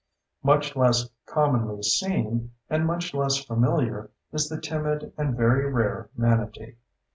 Much less commonly seen, and much less familiar, is the timid and very rare manatee.